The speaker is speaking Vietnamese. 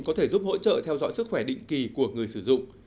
có thể giúp hỗ trợ theo dõi sức khỏe định kỳ của người sử dụng